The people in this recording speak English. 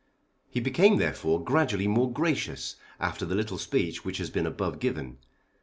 He became therefore gradually more gracious after the little speech which has been above given.